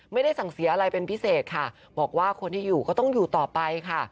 ไม่ได้สั่งเสียอะไรเป็นพิเศษค่ะบอกว่าคนที่อยู่ก็ต้องอยู่ต่อไปค่ะ